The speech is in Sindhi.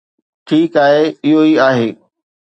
ٺيڪ آهي، اهو ئي آهي.